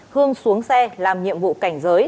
hương xuống xe làm nhiệm vụ cảnh giới